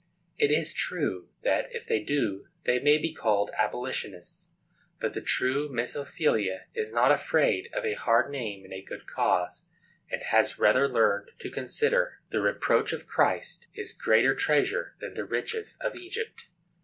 It is true that, if they do so, they may be called Abolitionists; but the true Miss Ophelia is not afraid of a hard name in a good cause, and has rather learned to consider "the reproach of Christ a greater treasure than the riches of Egypt."